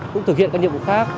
cũng thực hiện các nhiệm vụ khác